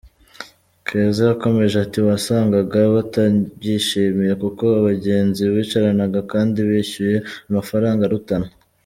Keza yakomeje ati “Wasangaga batabyishimiye kuko abagenzi bicaranaga kandi bishyuye amafaranga arutana.